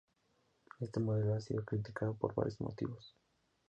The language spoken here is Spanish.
Este modelo ha sido criticado por varios motivos.